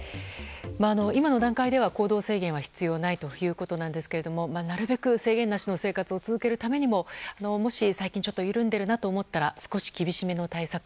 今の段階では行動制限は必要ないということですがなるべく制限なしの生活を続けるためにももし最近ちょっと緩んでいるなと思ったら少し厳しめの対策